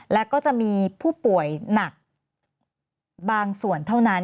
แล้วก็จะมีผู้ป่วยหนักบางส่วนเท่านั้น